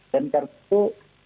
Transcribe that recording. dan karena itu